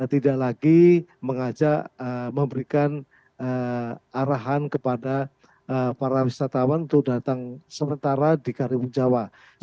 tidak lagi mengajak memberikan arahan kepada para wisatawan untuk datang sementara di karimun jawa